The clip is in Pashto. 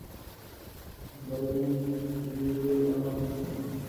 د خدای په نزد تر دې لوی عمل نشته.